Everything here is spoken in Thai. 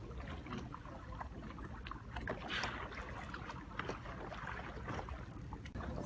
โอ้มายก็อด